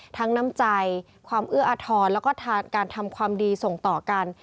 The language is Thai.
น้ำใจความเอื้ออาทรแล้วก็การทำความดีส่งต่อกัน